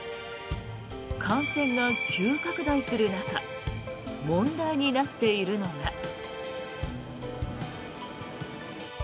感染が急拡大する中問題になっているのが。